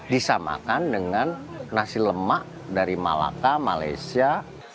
disamakan dengan nasi lemak dari malaka malaysia